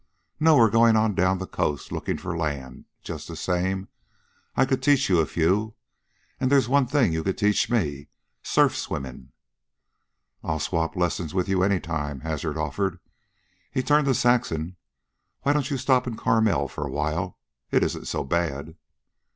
"No. We're goin' on down the coast, lookin' for land. Just the same, I could teach you a few, and there's one thing you could teach me surf swimmin'." "I'll swap lessons with you any time," Hazard offered. He turned to Saxon. "Why don't you stop in Carmel for a while? It isn't so bad."